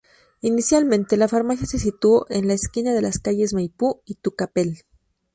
Inicialmente, la farmacia se situó en la esquina de las calles Maipú y Tucapel.